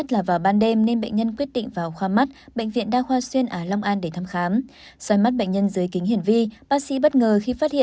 các bạn hãy đăng ký kênh để ủng hộ kênh của chúng mình nhé